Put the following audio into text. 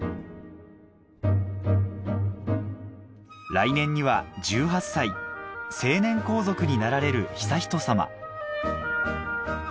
来年には１８歳成年皇族になられる悠仁さま